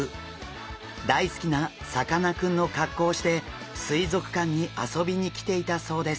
大好きなさかなクンの格好をして水族館に遊びに来ていたそうです。